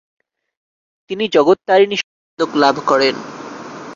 তিনি জগত্তারিণী স্বর্ণপদকলাভ করেন।